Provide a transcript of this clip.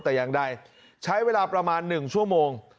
แต่อย่างใดใช้เวลาประมาณ๑ชั่วโมง